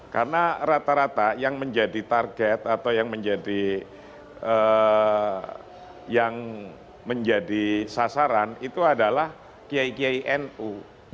karena rata rata yang menjadi target atau yang menjadi sasaran itu adalah kiai kiai nu